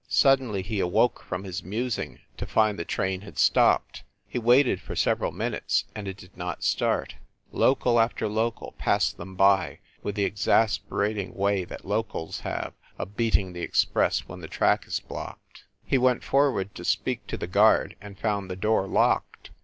Suddenly, he awoke from his musing to find the train had stopped. He waited for several minutes and it did not start. Local after local passed them by, with the exasperating way that locals have of beating the express when the track is blocked. He went forward to speak to the guard, and found the door locked.